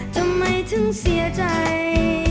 จะไม่ถึงเสียใจ